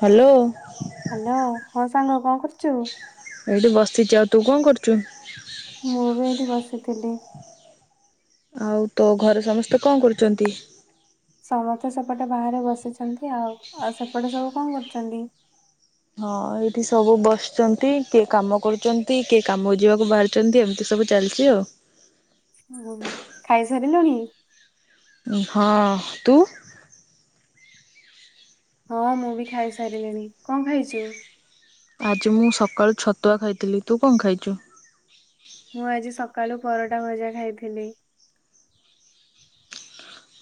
Hello hello, ହଁ ସାଙ୍ଗ କଣ କରୁଛୁ? ଏଇଠି ବସିଛି, ଆଉ ତୁ କଣ କରୁଛୁ? ଲେଖୁଥିଲି। ଆଉ ତ ଘରେ ସମସ୍ତେ କଣ କରୁଛନ୍ତି? ସମସ୍ତେ ସେପଟେ ବାହାରେ ବସିଛନ୍ତି ଆଉ, ଆଉ ସେପଟେ ସବୁ କଣ କରୁଛନ୍ତି? ହଁ, ଏଇଠି ସବୁ ବସିଛନ୍ତି, କିଏ କାମ କରୁଛନ୍ତି, କିଏ କାମ ଯିବାକୁ ବାହାରିଛନ୍ତି, ଏମିତି ସବୁ ଚାଲି ଛି ଆଉ ହ ଖାଇ ସାରିଲଣି? ହଁ, ତୁ? ହଁ ମୁଁ ବି ଖାଇସାରିଲିଣି, କଣ ଖାଇଛୁ? ଆଜି ମୁଁ ସକାଳୁ ଛତୁଆ ଖାଇଥିଲି, ତୁ କଣ ଖାଇଛୁ? ମୁଁ ଆଜି ସକାଳୁ ପରଟା ଭଜା ଖାଇଥିଲି।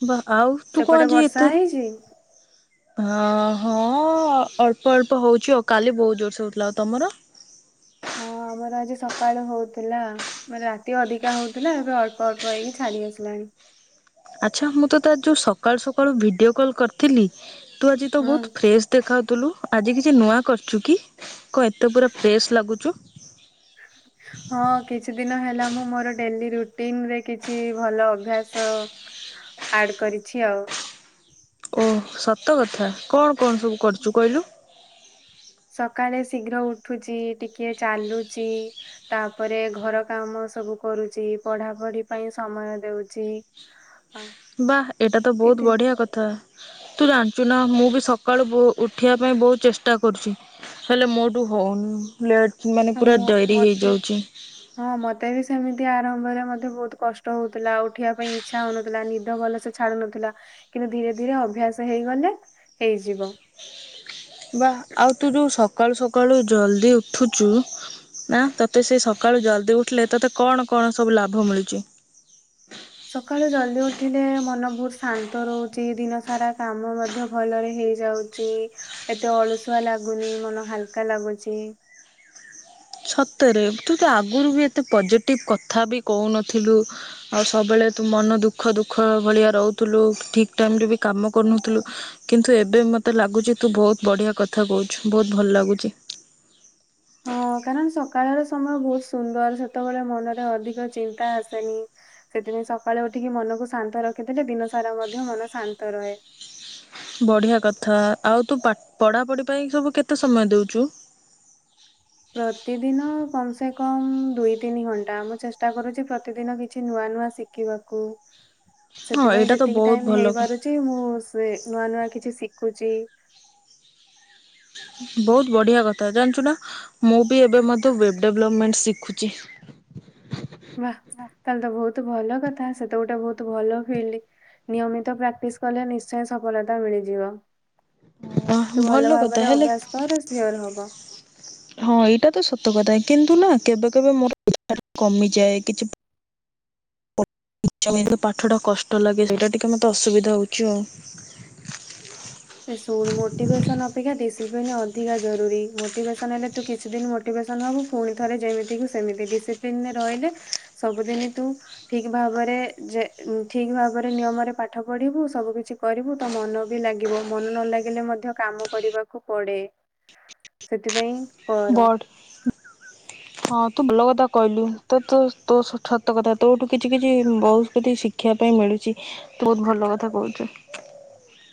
ବା ଆଉ ତୁ କଣ ସେପଟେ ଆଜି ବର୍ଷା ଏତେ ହେଇଛି? ହଁ। ହଁ ଅଳ୍ପ ଅଳ୍ପ ହଉଛି ଆଉ କାଲି ବହୁତ ଜୋରସେ ହଉଥିଲା ଆଉ ତମର। ହଁ ଆମର ଆଜି ସକାଳୁ ହଉଥିଲା ମାନେ ରାତି ଅଧିକା ହଉଥିଲା ଏବେ ଅଳ୍ପ ଅଳ୍ପ ହେଇକି ଛାଡି ଆସିଲାଣି।। ହୁଁ ଆଚ୍ଛା ମୁଁ ତ ତତେ ଯୋଉ ସକାଳୁ ସକାଳୁ ଭିଡିଓ କଲ୍ କରିଥିଲି। ତୁ ଆଜି ତ ହଁ ବହୁତ ଫ୍ରେଶ ଦେଖା ଥିଲୁ ଆଜି କିଛି ନୂଆ କରଚୁ କି କଣ ଏତେ ପୁରା ଫ୍ରେଶ ଲାଗୁଚୁ ହ [inaudible] ହଁ କିଛି ଦିନ ହେଲା ମୁଁ ମୋର ଡେଲି ରୁଟିନ ରେ କିଛି ଭଲ ଅଭ୍ୟାସ ଆଡ କରିଛି ଆଉ। ଓ ସତ କଥା କଣ କଣ ସବୁ କରୁଚୁ କହିଲୁ। ସକାଳେ ଶୀଘ୍ର ଉଠୁଚି ଟିକେ ଚାଲୁଚି ତାପରେ ଘର କାମ। ସବୁ କରୁଚି ପଢାପଢି ପାଇଁ ସମୟ ଦେଉଚି ବା ଏଟା ତ ବହୁତ ବଢିଆ କଥା। ତୁ ଜାଣିଛୁ ନା ମୁଁ ବି ସକାଳୁ ଉଠିବା ପାଇଁ ବହୁତ ଚେଷ୍ଟା କରୁଚି, ହେଲେ ମୋଠୁ ହଉନି ଲେଟ୍ ମାନେ ପୁରା ମୁଁ ଡେରି ମତେ ହେଇଯାଉଛି। ହଁ ମତେ ବି ସେମିତି ଆରମ୍ଭରେ ମଧ୍ୟ ବହୁତ କଷ୍ଟ ହଉଥିଲା ଉଠିବା ପାଇଁ ଇଚ୍ଛା ହଉନଥିଲା ନିଦ ଭଲସେ ଛାଡୁନଥିଲା। ଧୀରେ ଧୀରେ ଅଭ୍ୟାସ ହେଇଗଲେ ହେଇଯିବ, ବା ଆଉ ତୁ ଯୋଉ ସକାଳୁ ସ ଳୁ ଜଲଦି ଉଠୁଛୁ ନା ତତେ ସେ ସକାଳୁ ଜଲଦି ଉଠିଲେ ତତେ କଣ କଣ ସବୁ ଲାଭ ମିଳୁଚି। ସକାଳୁ ଜଲଦି ଉଠିଲେ ମନ ବହୁତ ଶାନ୍ତ ରହୁଚି ଦିନ ସାରା କାମ ମଧ୍ୟ ଭଲରେ ହେଇଯାଉଚି ଏତେ ଅଳସୁଆ ଲା ଲାଗୁନି ମନ ହାଲକା ଲାଗୁଚି। ସତରେ ତୁ ତ ଆଗରୁ ବି ଏତେ ପଜେଟିଭ କଥା ବି କହୁନଥିଲୁ ଆଉ ସବୁବେଳେ। ତୁ ମନ ଦୁଃଖ ଦୁଃଖ ଭଳିଆ ରହୁଥିଲୁ ଠିକ ଟାଇମରେ ବି କାମ କରୁନଥିଲୁ କିନ୍ତୁ ଏବେ। ମତେ ଲାଗୁଚ ତୁ ବହୁତ ବଢିଆ କଥା କହୁଛୁ ବହୁତ ଭଲ ଲାଗୁଚି। [inaudible] ହଁ କାରଣ ସକାଳର ସମୟ ବହୁତ ସୁନ୍ଦର ସେତେବେଳେ ମନରେ ଅଧିକ ଚିନ୍ତା ଆସେନି। ସେଥିପାଇଁ ସକାଳେ ଉଠିକି ମନକୁ ଶାନ୍ତ ରଖିଥିଲେ ଦିନ ସାରା ମଧ୍ୟ ମନ ଶାନ୍ତ ରହେ। ବଢିଆ କଥା ଆଉ ତୁ ପଢାପଢି ପାଇଁ ସବୁ କେତେ ସମୟ ଦଉଚୁ। [inaudible] ପ୍ରତିଦିନ କମ ସେ କମ ଦୁଇ ତିନି ଘଣ୍ଟା ମୁଁ ଚେଷ୍ଟା କରୁଛି ପ୍ରତିଦିନ କିଛି ନୂଆ। ନୂଆ ଶିଖିବାକୁ। ହଁ ସେଥିପାଇଁ ଏଇଟା ତ ଯେତିକି ବହୁତ ଟାଇମ ଭଲ ହେଇପାରୁଛି ମୁଁ ସେ ନୂଆ ନୂଆ କିଛି ଶି ଖୁଛି। ବହୁତ ବଢିଆ କଥା ଜାଣିଛୁ ନା ମୁଁ ବି ଏବେ ମଧ୍ୟ ୱେବ ଡେଭଲପମେଣ୍ଟ ଶିଖୁଛି। ବା ତାହେଲେ ତ ବହୁତ ଭଲ କଥା ସେତ ଗୋଟେ ବହୁତ ଭଲ ଫିଲ୍ଡ। ନିୟମିତ ପ୍ରାକ୍ଟିସ କଲେ ନିଶ୍ଚୟ ସଫଳତା ମିଳିଯିବ। ତୁ ଭଲ କଥା ଭାବରେ ହେଲେ ଅଭ୍ୟାସ କର ସିଓର ହବ। ହଁ ଏଇଟା ତ ସତ କଥା କିନ୍ତୁ ନା କେବେ କେବେ ମୋର କମିଯାଏ କିଛି। ଇଛା ହୁଏନି ପାଠ ଟା କଷ୍ଟ ଲାଗେ ସେଇଟା ଟିକେ ମତେ ଅସୁବିଧା ହଉଛି ଆଉ। ଏ ଶୁଣ ମୋଟିଭସନ ଅପେକ୍ଷା ଡ଼ିସ ଅଧିକା ଜରୁରୀ ମୋଟିଭେସନ ହେଲେ ତୁ କିଛି ଦିନ ମୋଟିଭେସନ ହବୁ ପୁଣି ଥରେ ଯେମିତି କୁ ସେମିତି। ଡିସିପ୍ଲିନ ରେ ରହିଲେ ସବୁ ଦିନ ତୁ ଠିକ୍ ଭାବରେ ଯେ ଠିକ୍ ଭାବରେ ନିୟମ ପାଠ ପଢିବୁ ସବୁ କିିଛି କରିବୁ ତୋ ମନ ବି ଲାଗି ଲାଗିବ ମନ ନ ଲାଗିଲେ ମଧ୍ୟ କାମ କରିବାକୁ ପଡେ ସେଥିପାଇଁ କର ବଡ଼ ହଁ। ତୁ ଭଲ କଥା କହିଲୁ ତ ତ ତୋ ସତ କଥା ତୋଠୁ କିଛି କିଛି ବହୁତ ଶିଖିବା ପାଇଁ ମିଳୁ ରହୁଛି ବହୁତ ଭଲ କଥା କହୁଚି। [inaudible]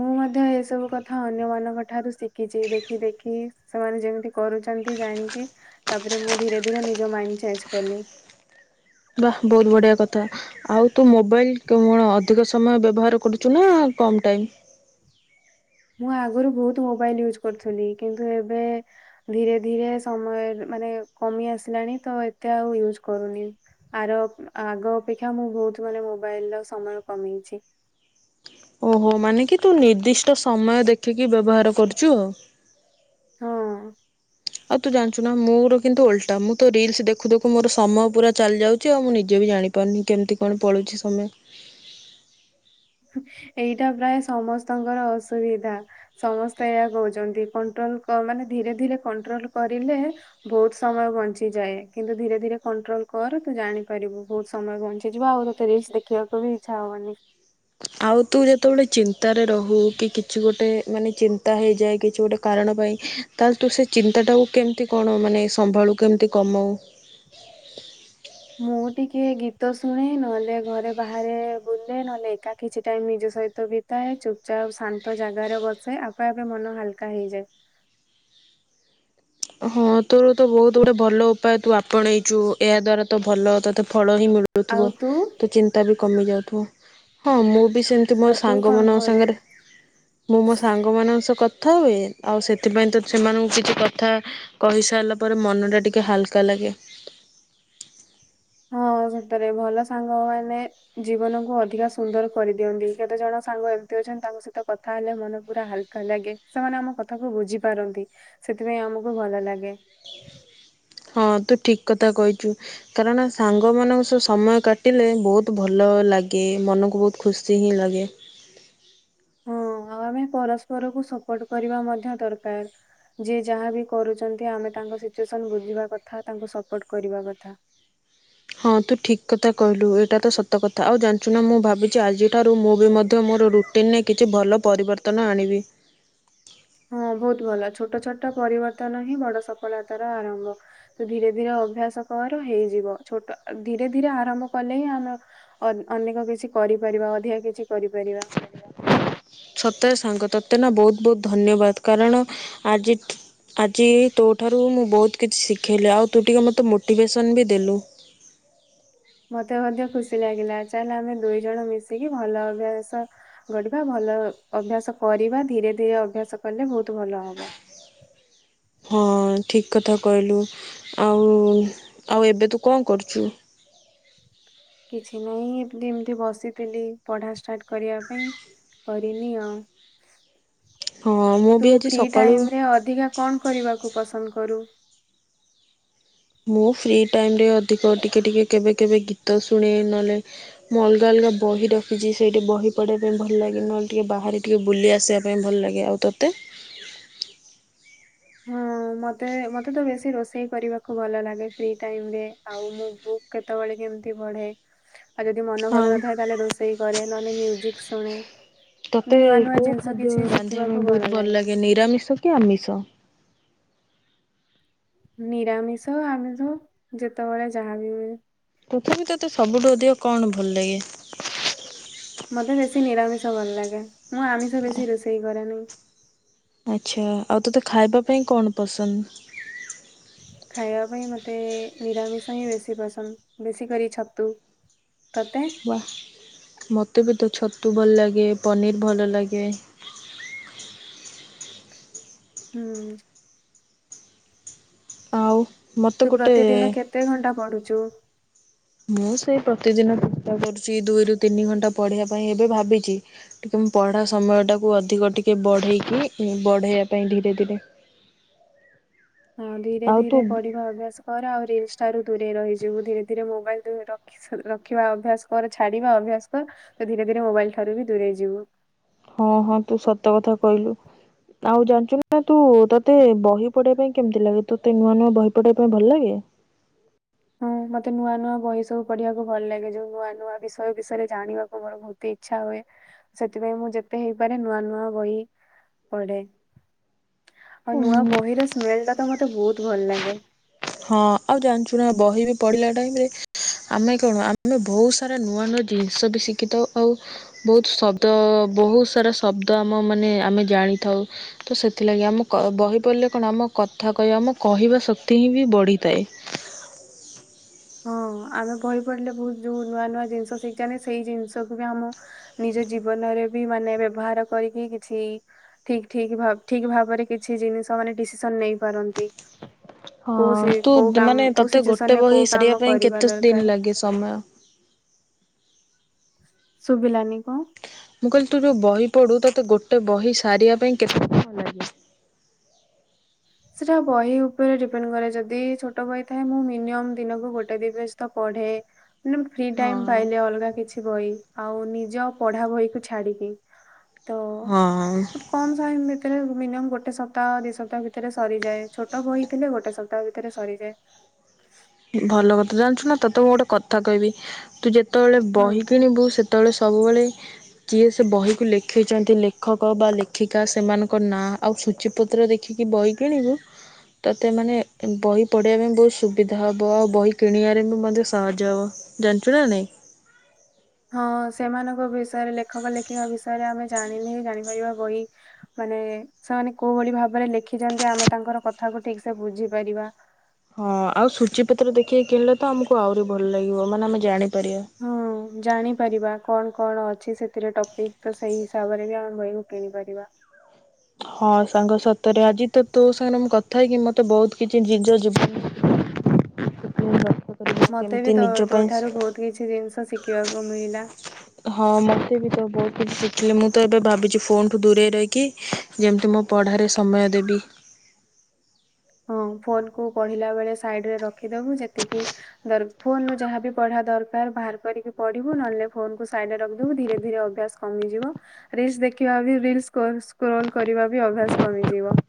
ମୁଁ ମଧ୍ୟ ଏସବୁ କଥା ଅନ୍ୟ ମାନଙ୍କ ଠାରୁ ଶିଖିଚି ଦେଖି ଦେଖି ସେମାନେ ଯେମିତି କରୁ ଛନ୍ତି ଜାଣିକି ତାପରେ ମୁଁ ଧୀରେ ଧୀରେ ନିଜ ମାଇଣ୍ଡ ଚେଞ୍ଜ କଲି। ବା ବହୁତ ବଢିଆ କଥା। ଆଉ ତୁ ମୋବାଇଲ କଣ ଅଧିକ ସମୟ ବ୍ୟବହାର କରୁଛୁ ନା କମ୍ ଟାଇମ୍। [inaudible] ମୁଁ ଆଗରୁ ବହୁତ ମୋବାଇଲ ୟୁଜ୍ କରୁଥିଲି। କିନ୍ତୁ ଏବେ ଧୀରେ ଧୀରେ ସମୟ ମାନେ କମି ଆସିଲାଣି ତ ଏତେ ଆଉ ୟୁଜ୍ କରୁନି। ଆର ଆଗ ଅପେକ୍ଷା ମୁଁ ବହୁତ ମାନେ ମୋବାଇଲ ର ସମୟ କମେଇଛି। ଓହୋ ମାନେ କି ତୁ ନିର୍ଦ୍ଦିଷ୍ଟ ସମୟ ଦେଖିକି ବ୍ୟବହାର କରୁଚୁ ଆଉ। ହଁ। ଆଉ ତୁ ଜାଣିଛୁ ନା ମୋର କିନ୍ତୁ ଓଲଟା ମୁଁ ତ ରିଲସ ଦେଖୁ ଦେଖୁ ମୋର ସମୟ ପୁରା ଚାଲି ଯାଉଛି ଆଉ ମୁଁ ନିଜେ ବି ଜାଣି ପାରୁନି କେମିତି କଣ ପଳଉଛି ସମୟ। [inaudible] ଏଇଟା ପ୍ରାୟ ସମସ୍ତଙ୍କର ଅସୁବିଧା। ସମସ୍ତେ ଏହା କହୁଛନ୍ତି କଣ୍ଟ୍ରୋଲ ମାନେ ଧୀରେ ଧୀରେ କଣ୍ଟ୍ରୋଲ କରିଲେ ବହୁତ ସମୟ ବଞ୍ଚିଯାଏ। କିନ୍ତୁ ଧୀରେ ଧୀରେ କଣ୍ଟ୍ରୋଲ କର ତୁ ଜାଣିପାରିବୁ ବହୁତ ସମୟ ବଞ୍ଚିଯିବ ଆଉ ତୋତେ ରିଲସ ଦେଖିବାକୁ ବି ଇଚ୍ଛା ହବନି। ଆଉ ତୁ ଯେତେବେଳେ ଚିନ୍ତାରେ ରହୁ କି କିଛି ଗୋଟେ ମାନେ ଚିନ୍ତା ହେଇଯାଏ କିଛି ଗୋଟେ କାରଣ ତାହେଲେ ତୁ ସେ ଚିନ୍ତାଟାକୁ କେମିତି କଣ ମାନେ ସମ୍ଭାଳୁ କେମିତି କମାଉ? [inaudible] ମୁଁ ଟିକେ ଗୀତ ଶୁଣେ ନହେଲେ ଘରେ ବାହାରେ ବୁଲେ ନହେଲେ ଏକା କିଛି ଟାଇମ୍ ନିଜ ସହିତ ବିତାଏ। ଚୁପଚାପ ଶାନ୍ତ ଜାଗାରେ ବସେ ଆପେ ଆପେ ମନ ହାଲକା ହେଇଯାଏ। [inaudible] ହଁ ତୋର ତ ବହୁତ ଗୋଟେ ଭଲ ଉପାୟ ତୁ ଆପଣେଇଛୁ ଏହା ଦ୍ଵାରା ତ ଭଲ ତତେ ଫଳ ହିଁ ଆଉ ମିଳୁଥିବ। ତୁ ତ ଚିନ୍ତା ବି କମି ଯାଉଥିବ। ହଁ ମୁଁ ବି ସେମତି ମୋ ଆଉ ତୁ ସାଙ୍ଗ କଣ ମାନଙ୍କ କରୁ? ସାଙ୍ଗରେ ମୁଁ ମୋ ସାଙ୍ଗମାନଙ୍କ ସହ କ କଥା ହୁଏ। ଆଉ ସେଥିପାଇଁ ତ ସେମାନଙ୍କୁ କିଛି କ କହିସାରିଲା ପରେ ମନଟା ଟିକେ ହାଲକା ଲାଗେ। ହଁ ସେଥିରେ ଭଲ ସାଙ୍ଗ ମାନେ ଜୀବନ କୁ ଅଧିକା ସୁନ୍ଦର କରିଦିଅନ୍ତି। କେତେ ଜଣ ସାଙ୍ଗ ଏମିତି ଅଛନ୍ତି ତାଙ୍କ ସହିତ କଥା ହେଲେ ମନ ପୁରା ହାଲକା ଲାଗେ। ସେମାନେ ଆମ କଥା କ ବୁଝି ପାରନ୍ତି। ସେଥିପାଇଁ ଆମକୁ ଭଲ ଲାଗେ। ହଁ ତୁ ଠିକ କଥା କହିଛୁ। କାରଣ ସାଙ୍ଗ ମାନଙ୍କ ସବ ସମୟ କାଟିଲେ ବହୁତ ଭଲ ଲାଗେ ମନକୁ ବହୁତ ଖୁସି ହିଁ ଲାଗେ। ହଁ ଆଉ ଆମେ ପରସ୍ପରକୁୁ ସପୋର୍ଟ କରିବା ମଧ୍ୟ ଦରକାର। ଯିଏ ଯାହାବି କରୁଛନ୍ତି ଆମେ ତାଙ୍କ ସିଚୁଏସନ ବୁଝିବା କଥା ତାଙ୍କୁ ସପୋର୍ଟ କରିବା କଥା। [inaudible] ହଁ ତୁ ଠିକ କଥା କହିଲୁ ଏଇଟା ତ ସତ କଥା। ଆଉ ଜାଣିଛୁ ନା ମୁଁ ଭାବିଛି ଆଜିଠାରୁ ମୁଁ ବି ମଧ୍ୟ ମୋର ରୁଟିନରେ କିଛି ଭଲ ପରିବର୍ତ୍ତନ ଆଣିବି। [inaudible] ହଁ ବହୁତ ଭଲ ଛୋଟ ଛୋଟ ପରିବର୍ତ୍ତନ ହିଁ ବଡ ସଫଳତାର ଆରମ୍ଭ। ତ ଧୀରେ ଧୀରେ ଅ ଅଭ୍ୟାସ କର ହେଇଯିବ। ଛୋଟ ଧୀରେ ଧୀରେ ଆରମ୍ଭ କଲେ ହିଁ ଆମେ ଅନେ ଅନେକ କିଛି କ କରିପାରିବା ଅଧିକା କିଛି କରିପାରିବା। ସତରେ ସାଙ୍ଗ ତତେ ନା ବହୁତ ବହୁତ ଧନ୍ୟବାଦ। କାରଣ ଆଜି ଆଜି ତୋଠାରୁ ମୁଁ ବହୁତ କିଛି ଶିଖିଲି। ଆଉ ତୁ ଟିକେ ମୋତେ ମୋଟିଭେସନ୍ ବି ଦେଲୁ। [inaudible] ମତେ ମଧ୍ୟ ଖୁସି ଲାଗିଲା। ଚାଲେ ଆମେ ଦୁଇ ଜଣ ମିଶିକି ଭଲ ଅଭ୍ୟାସ ଗଢ଼ିବା। ଭଲ ଭଲ ଅଭ୍ୟାସ କରିବା ଧୀରେ ଧୀରେ ଅଭ୍ୟାସ କଲେ ବହୁତ ଭଲ ହବ। ହଁ ଠିକ କଥା କହିଲୁ। ଆଉ ଆଉ ଏବେ ତୁ କଣ କରୁଚୁ? କିଛି ନାହିଁ ଏମତି ଏମିତି ବସିଥିଲି ପଢା ଷ୍ଟାର୍ଟ କରିବା ପାଇଁ। କରିନି ଆଉ। ହଁ ମୁଁ ତୁ ବି ଆଜି ଫ୍ରି ସକାଳୁ ଟାଇମରେ ଅଧିକା କଣ କରିବାକୁ ପସନ୍ଦ କ କରୁ ମୁଁ ଫ୍ରି ଟାଇମରେ ଅଧିକ ଟିକେ ଟିକେ କେବେ କେବେ ଗୀତ ଶୁଣେ ନହେଲେ ମୁଁ ଅଲଗା ଅଲଗା ବହି ରଖିଚି ସେଇଠି ବହି ପଢିବା ପାଇଁ ଭଲ ଲାଗେ, ନହେଲେ ଟିକେ ବାହାରେ ଟିକେ ବୁଲି ଆସିବା ପାଇଁ ଭଲଲାଗେ, ଆଉ ତୋତେ? ହଁ ମତେ ମତେ ତ ବେଶୀ ରୋଷେଇ କରିବାକୁ ଭଲଲାଗେ ଫ୍ରି ଟାଇମରେ ଆଉ ମୁଁ ବୁକ୍ କେତବେଳେ କେମତି ପଢେ, ଆଉ ଯଦି ମନ ଆଉ ଭଲ ନଥାଏ ତାହେଲେ ରୋଷେଇ କରେ, ନହେନେ ମ୍ୟୁଜିକ୍ ଶୁଣେ। ତତେ ନୂଆ ନୂଆ କୋଉ ଜିନିଷ ଖାଦ୍ୟ କିଛି ରାନ୍ଧିବା ଶିଖିବାକୁ ପାଇଁ ବହୁତ ଭଲ ଲାଗେ ନିରାମିଷ କି ଆମିଷ? ନିରାମିଷ ଆମିଷ ଯେତେବେଳେ ଯାହାବି ହୁଏ। ପୃଥିବି ତତେ ସବୁଠୁ ଅଧିକ କଣ ଭଲ ଲାଗେ? ମୋତେ ବେଶୀ ନିରାମିଷ ଭଲ ଲାଗେ। ମୁଁ ଆମିଷ ବେଶୀ ରୋଷେଇ କରେନି। ଆଚ୍ଛା ଆଉ ତୋତେ ଖାଇବା ପାଇଁ କଣ ପସନ୍ଦ? ଖାଇବା ପାଇଁ ମତେ ନିରାମିଷ ହିଁ ବେଶୀ ପସନ୍ଦ। ବେଶୀକରି ଛତୁ ତତେ ବା ମୋତେ ବି ଦେ ଛତୁ ଭଲ ଲାଗେ ପନିର୍ ଭଲ ଲାଗେ ହୁଁ। ଆଉ। ମୋତେ ତୁ ପ୍ରତିଦିନ ଗୋଟେ କେତେ ଘଣ୍ଟା ପଢୁଛୁ? ମୁଁ ସେଇ ପ୍ରତିଦିନ ଚେଷ୍ଟା କରୁଛି ଦୁଇରୁ ତିନି ଘଣ୍ଟା ପଢିବା ପାଇଁ ଏବେ ଭାବିଛି ଟିକେ ପଢା ସମୟ ଟାକୁ ଅଧିକ ଟିକେ ବଢେଇକି ବଢେଇବା ପାଇଁ ଧୀରେ ଧୀରେ ହଁ ଧୀରେ ଆଉ ତୁ ଧୀରେ ପଢିବା ଅଭ୍ୟାସ କର ଆଉ ରିଲ୍ସ ଠାରୁ ଦୂରେଇ ରହିଯିବୁ ଧୀରେ ଧୀରେ ମୋବାଇଲ୍ ରଖିବା ଅଭ୍ୟାସ କର ଛାଡିବା ଅଭ୍ୟାସ କର। ତ ଧୀରେ ଧୀରେ ମୋବାଇଲ ଠାରୁ ବି ଦୂରେଇ ଯିବୁ। ହଁ ହଁ ତୁ ସତ କଥା କହିଲୁ। ଆଉ ଜାଣିଛୁ ନା ତୁ ତୋତେ ବହି ପଢେଇବା ପାଇଁ କେମିତି ଲାଗେ? ତୋତେ ନୂଆ ନୂଆ ବହି ପଢେଇବା ପାଇଁ ଭଲ ଲାଗେ? ହଁ। ମୋତେ ନୂଆ ନୂଆ ବହି ସବୁ ପଢିବାକୁ ଭଲ ଲାଗେ। ଯୋଉ ନୂଆ ନୂଆ ବିଷୟ ବିଷୟରେ ଜାଣିବାକୁ ମୋର ବହୁତ ଇଚ୍ଛା ହୁଏ। ସେଥିପାଇଁ ମୁଁ ଯେତେ ହେଇପାରେ ନୂଆ ନୂଆ ବହି ପଢେ। ଆଉ ନୂଆ ବହିର ସ୍ମେଲ ଟା ତ ମତେ ବହୁତ ଭଲ ଲାଗେ। ହଁ ଆଉ ଜାଣିଛୁ ନା ବହି ବି ପଢିଲା ଟାଇମରେ ଆମେ କଣ ଆମେ ବହୁତ ସାରା ନୂଆ ନୂଆ ଜିନିଷ ବି ଶିଖିଥାଉ ଆଉ ବହୁତ ଶବ୍ଦ ବହୁତ ସାରା ଶବ୍ଦ ଆମ ମାନେ ଆମେ ଜାଣିଥାଉ, ତ ସେଥିଲାଗି ଆମ କ ବହି ପଡ଼ିଲେ କଣ ଆମ କଥା କହିବା ମୋ କହିବା ଶକ୍ତି ହିଁ ବି ବଢ଼ିଥାଏ। ହଁ ଆମେ ବହି ପଢିଲେ ବହୁତ ଯୋଉ ନୂଆ ନୂଆ ଜିନିଷ ଶିଖିଚେ ଆମେ ସେଇ ଜିନିଷକୁ ବି ଆମ ନିଜ ଜୀବନ ବନରେ ବି ମାନେ ବ୍ୟବହାର କରିକି କିଛି ଠିକ୍ ଠିକ୍ ଭା-ଠିକ୍ ଭାବରେ କିଛି ଜିନିଷ ମାନେ ଡିସିସନ୍ ନେଇ ପାରନ୍ତି। ହଁ ତୁ ଦ ମାନେ ତତେ ଗୋଟେ ସିଚୁଏସନରେ ବହି କୋଉ କରିବା କାମ ପାଇଁ କେତେ ଦରକାର ଦିନ ଲାଗେ ସମୟ? ଶୁଭିଲାନି କ ମୁଁ କହିଲି ତୁ ଯୋଉ ବହି ପଢୁ ତୋତେ ଗୋଟେ ବହି ସାରିବା ପାଇଁ କେତେ ସମୟ ଲାଗେ? ସେଟା ବହି ଉପରେ ଡିପେଣ୍ଡ କରେ ଯଦି ଛୋଟ ବହି ଥାଏ। ମୁଁ ମିନିମମ୍ ଦିନକୁ ଗୋଟେ ଦି ପେଜ ତ ପଢେ ନୁ ଫ୍ରି ହଁ ଟାଇମ ପାଇଲେ ଅଲଗା କିଛି ବହି ଆଉ ନିଜ ପଢା ବହି କୁ ଛାଡିକି ହଁ। ସେଟା ମିନିୟମ ଗୋଟେ ସପ୍ତାହ ଦି ସପ୍ତାହ ଭି ଭିତରେ ସରିଯାଏ ଛୋଟ ବୋହି ଥିଲେ ଗୋଟେ ସପ୍ତାହ ଭିତରେ ସରିଯାଏ। ଭଲ କଥା ଜାଣିଛୁ ନା ତତେ ମୁଁ ଗୋଟେ କଥା କହିବି ତୁ ଯେତେବେଳେ ହୁଁ ବହି କିଣିବୁ ସେତେବେଳେ ସବୁବେଳେ କିଏ ସେ ବହିକୁ ଲେଖିଚନ୍ତି ଲେଖକ ବା ଲେଖିକା ସେମାନଙ୍କ ନାଁ। ଆଉ ସୂଚୀପୁତ୍ର ଦେଖିକି ବହି କିଣିବୁ ତତେ ମାନେ ବହି ପଢ଼ିବା ପାଇଁ ବୋହୁତ ସୁବି ହବ ଆଉ ବହି କିଣିବାରେ ବି ମଧ୍ୟ ସହଜ ହବ ଜାଣିଚୁ ନା ନାଇଁ? ହଁ ସେମାନଙ୍କ ବିଷୟରେ ଲେଖକ ଲେଖିକା ବିଷୟରେ ଆମେ ଜାଣିନେ ଜାଣିପାରିବା ବହି ମାନେ ସେମାନେ କୋଉ ଭଳି ଭାବରେ ଲେଖିଚନ୍ତି ଆମେ ତାଙ୍କର କଥାକୁ ଠିକସେ ବୁଝିପାରିବା। ହଁ ଆଉ ସୁଚି ପତ୍ର ଦେଖିକି କିଣିଲେ ତ ଆମକୁ ଆହୁରି ଭଲ ଲାଗିବ ମାନେ ଆମେ ଜାଣି ହଁ ଜାଣିପାରିବା। କଣ କଣ ଅଛି ସେଥିରେ ଟପିକ୍ ତ ସେଇ ହିସାବରେ ବି ଆମେ ବହିକୁ କିଣିପାରିବା। ହଁ ସାଙ୍ଗ ସତରେ ଆଜି ତ ତୋ ସାଙ୍ଗରେ ମୁଁ କଥା ହେଇକି ମତେ ବୋହୁତ କିଛି ଜିଜ ଯିବନି [inaudible] ହେତିକି ରଖ। ମତେ ବି ତ ତୋ ଠାରୁ ବୋହୁତ କିଛି ଜିନିଷ ଶିଖିବାକୁ ମିଳିଲା। ହଁ ମତେ ବି ତ ବୋହୁତ କିଛି ଶିଖିଲି ମୁଁ ତ ଏବେ ଭାବିଛି ଫୋନଠୁ ଦୂରେଇ ରହିକି ଯେମତି ମୋ ପଢ଼ାରେ ସମୟ ଦେବି। [inaudible] ହଁ ଫୋନକୁ ପଢିଲା ବେଳେ ସାଇଡରେ ରଖିଦବୁ ଯେତିକି ଦର-ଫୋନରୁ ଯାହାବି ପଢିବା ଦ ଦରକାର ବାହାର କରିକି ପଢ଼ିବୁ ନହେଲେ ନାଇଁ ଫୋନକୁ ସାଇଡରେ ରଖିଦୋବୁ ଧୀରେ ଧୀରେ ଅଭ୍ୟାସ କମିଯିବ ରିଲସ ଦେ ଦେଖିବା ବି ରିଲସ ସ୍କୋ-ସ୍କରୋଲ୍ କରିବା ବି ଅଭ୍ୟାସ କମିଯିବ।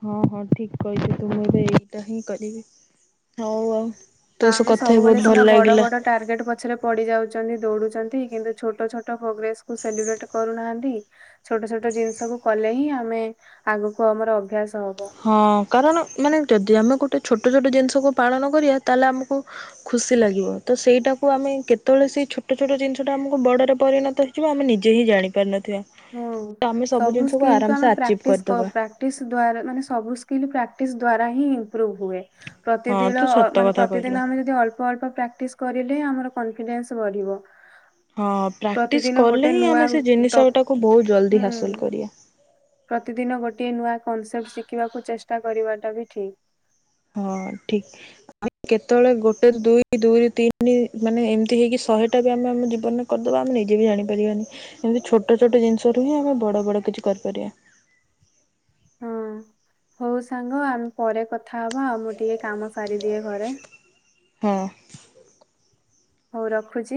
ହଁ ହଁ ଠିକ କହିଚ ତୁ ମୁଁ ଏବେ ଏଇଟା ହିଁ କରିବି ହଉ ଆଉ। ତୋ ସହ ଆମେ କଥା ହେଇ ସବୁବେଳେ ବହୁତ ଭଲ ସିନା ବଡ ଲାଗିଲା। ବଡ ଟାର୍ଗେଟ୍ ପଛରେ ପଡିଯାଉଚନ୍ତି ଦୋଉଡ଼ୁଚନ୍ତି କିନ୍ତୁ ଛୋଟ ଛୋଟ ପ୍ରୋଗ୍ରେସକୁ ସେଲିବ୍ରେଟ୍ କରୁନାହାନ୍ତି ଛୋଟ ଛୋଟ ଜିନିଷକୁ କଲେ କଲେ ହିଁ ଆମେ ଆଗକୁ ଆମର ଅଭ୍ୟାସ୍ ହଁ କାରଣ ମାନେ ଯଦି ଆମେ ଗୋ ଗୋଟେ ଛୋଟ ଛୋଟ ଜିନିଷକୁ ପାଳନ କରିବା ତାହେଲେ ଆମକୁ ଖୁସି ଲାଗିବ ତ ସେଇଟାକୁ ଆମେ କେତେବେଳେ ସେଇ ଛୋଟ ଛୋଟ ଜିନିଷଟା ଆମକୁ ବଡ଼ରେ ପରିଣତ ହେଇିଯିବ ଆମେ ନିଜେ ହିଁ ଜାଣିପାରି ନଥି ହଁ ସବୁ ସ୍କିଲକୁ ଆରାମସେ ଆମେ ଆଚିଭ୍ ପ୍ରାକ୍ଟିସ କରିଦେବା। କ-ପ୍ରାକ୍ଟିସ ଦ୍ଵାରା-ମାନେ ସବୁ କିନ୍ତୁ ପ୍ରାକ୍ଟିସ୍ ଦ୍ୱାରା ହିଁ ଇମ୍ପ୍ରୁଭ୍ ହୁଏ। ହଁ ପ୍ରତିଦିଳ ତୁ ସତ ଅ-ମାନେ କଥା କହିଲୁ। ପ୍ରତିଦିନ ଆମେ ଯଦି ଅଳ୍ପ ଅଳ୍ପ ପ୍ରାକ୍ଟିସ୍ କରିଲେ ହିଁ ଆମର କନଫିଡେନସ୍ ବଢିବ। ହଁ ପ୍ରାକ୍ଟିସ୍ ପ୍ରତିଦିନ କଲେ ଗୋଟେ ହିଁ ନୂଆ ଆମେ ସେ ଟ ଜିନିଷଟାକୁ ବୋହୁତ ଜଲଦି ହୁଁ ହାସଲ କରିବା। ପ୍ରତିଦିନ ଗୋଟିଏ ନୂଆ କନସେପଟ୍ ଶିଖିବାକୁ ଚେଷ୍ଟା କରିବାଟା ବି ଠିକ୍। ହଁ ଠିକ। କେତେବେଳେ ଗୋଟେରୁ ଦୁଇ ଦୁଇରୁ ତିନି ମାନେ ଏମତି ହେଇକି ଶହେଟା ବି ଆମେ ଆମ ଜୀବନରେ କରିଦବା ନିଜେ ବି ଜାଣିପାରିବାନି ଏମିତି ଛୋଟ ଛୋଟ ଜିନିଷରୁ ହିଁ ଆମେ ବଡ ବଡ କିଛି କରିପାରିବା। ହଁ ହୋଉ ସାଙ୍ଗ ଆମେ ପରେ କଥା ହବା ଆଉ ମୁଁ ଟିକେ କାମ ସାରିଦିଏ ଘରେ। ହଁ। ହୋଉ ରଖୁଚି।